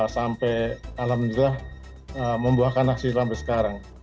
sampai alhamdulillah membuahkan aksi sampai sekarang